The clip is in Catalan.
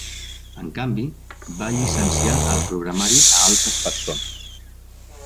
En canvi, va llicenciar el programari a altres persones.